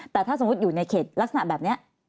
แต่ถ้าสมมุติอยู่ในเขตลักษณะแบบนี้